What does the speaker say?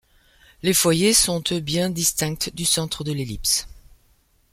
Les foyers sont eux bien distincts du centre de l'ellipse.